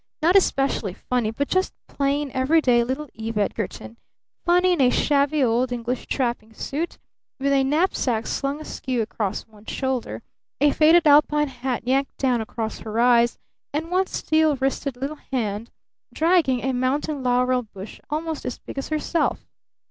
Not especially funny, but just plain, every day little Eve Edgarton funny, in a shabby old English tramping suit, with a knapsack slung askew across one shoulder, a faded Alpine hat yanked down across her eyes, and one steel wristed little hand dragging a mountain laurel bush almost as big as herself.